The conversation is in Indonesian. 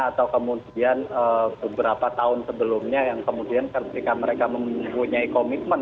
atau kemudian beberapa tahun sebelumnya yang kemudian ketika mereka mempunyai komitmen